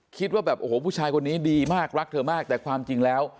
คิดว่าแบบโอ้โหผู้ชายคนนี้ดีมากรักเธอมากแต่ความจริงแล้ว